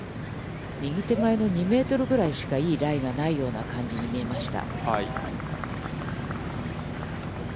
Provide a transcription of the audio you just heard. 右手前の２メートルぐらいしか、いいライがないような感じがしました。